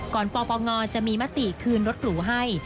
ปปงจะมีมติคืนรถหรูให้